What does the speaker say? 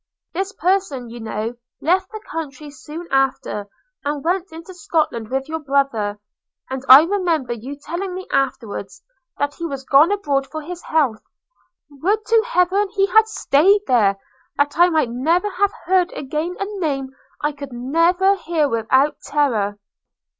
– This person, you know, left the country soon after, and went into Scotland with your brother; and I remember you telling me afterwards, that he was gone abroad for his health – Would to Heaven he had staid there, that I might never have heard again a name I could never hear without terror!